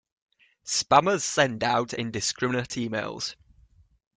Spammers send out indiscriminate emails.